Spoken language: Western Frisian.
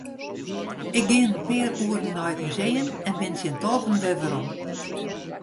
Ik gean in pear oeren nei it museum en bin tsjin tolven wer werom.